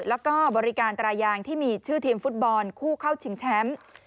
แล้วก็บริการตรายางที่มีชื่อทีมฟุตบอลคู่เข้าชิงแชมป์